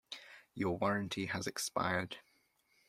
Your warranty has expired.